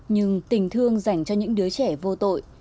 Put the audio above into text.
nhưng tình thương dành cho những đứa trẻ vô tội